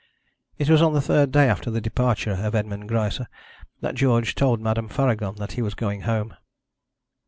It was on the third day after the departure of Edmond Greisse that George told Madame Faragon that he was going home.